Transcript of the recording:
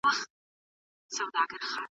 آیا د دې کیسې پای ستا په زړه پورې و؟